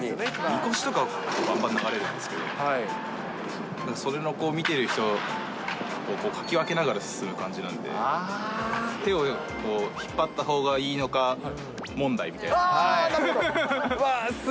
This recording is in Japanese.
みこしとかがばんばん流れるんですけど、それの見ている人をかき分けながら進む感じなんで、手を引っ張ったほうがいいのか問題みたいな。